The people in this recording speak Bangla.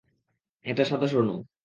এটা সাদা স্বর্ণ।